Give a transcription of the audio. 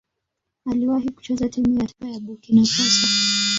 Aliwahi kucheza timu ya taifa ya Burkina Faso.